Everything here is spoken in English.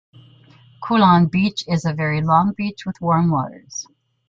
Colan beach is a very long beach with warm waters.